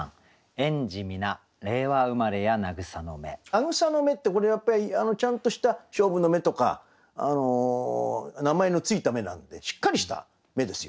「名草の芽」ってこれやっぱりちゃんとしたしょうぶの芽とか名前の付いた芽なんでしっかりした芽ですよね。